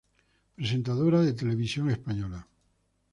Presentadora de televisión de España.